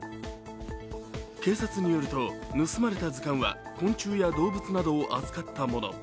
警察によると盗まれた図鑑は昆虫や動物などを扱ったもの。